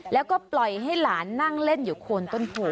แล้วก็ปล่อยให้หลานนั่งเล่นอยู่โคนต้นโพ